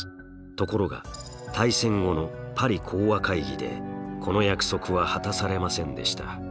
ところが大戦後のパリ講和会議でこの約束は果たされませんでした。